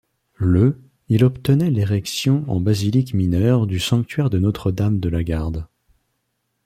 Le il obtenait l’érection en basilique mineure du sanctuaire de Notre-Dame de la Garde.